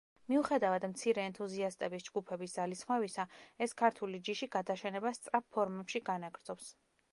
მიუხედავად მცირე ენთუზიასტების ჯგუფების ძალისხმევისა, ეს ქართული ჯიში გადაშენებას სწრაფ ფორმებში განაგრძობს.